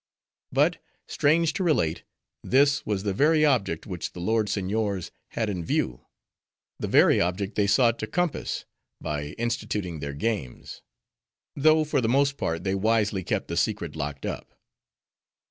But, strange to relate, this was the very object which the lord seigniors had in view; the very object they sought to compass, by instituting their games. Though, for the most part, they wisely kept the secret locked up.